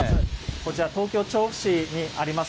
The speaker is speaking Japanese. こちら、東京・調布市にあります